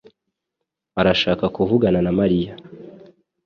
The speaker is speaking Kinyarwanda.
arashaka kuvugana na Mariya